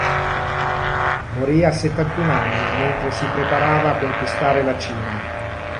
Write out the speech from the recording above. Morì a settantuno anni mentre si preparava a conquistare la Cina.